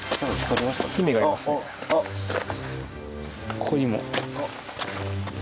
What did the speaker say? ここにも。